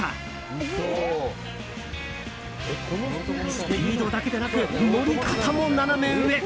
スピードだけでなく乗り方もナナメ上！